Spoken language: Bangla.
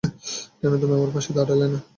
কেন তুমি আমার পাশে দাঁড়ালে না?